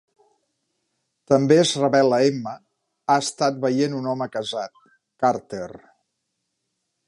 També es revela Emma ha estat veient un home casat, Carter.